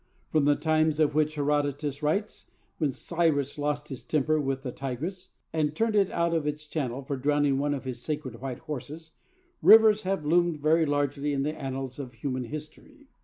From the times of which Herodotus writes, when Cyrus lost his temper with the Tigris, and turned it out of its channel for drowning one of his sacred white horses, rivers have loomed very largely in the annals of human history.